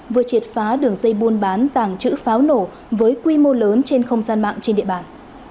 vừa triệt phá đường dây buôn bán tàng trữ pháo nổ với quy mô lớn trên không gian mạng trên địa bàn